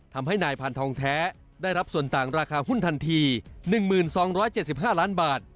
ทำให้นายพันธองแท้ได้รับส่วนต่างราคาหุ้นทันที๑๒๗๕ล้านบาท